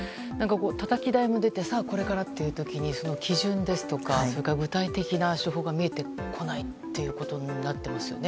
たたき台も出てさあ、これからという時に基準ですとか、具体的な手法が見えてこないっていうことになっていますね。